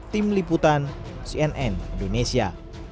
tim liputan cnn indonesia